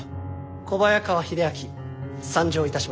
小早川秀秋参上いたしました。